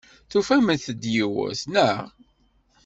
Tufamt-d yiwet, naɣ?